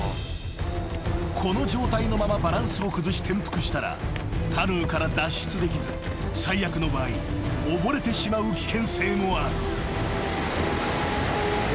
［この状態のままバランスを崩し転覆したらカヌーから脱出できず最悪の場合溺れてしまう危険性もある］